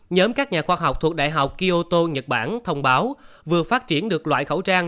nhóm các nhà khoa học thuộc đại học kioto nhật bản thông báo vừa phát triển được loại khẩu trang